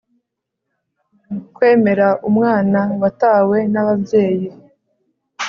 Kwemera umwana watawe n ababyeyi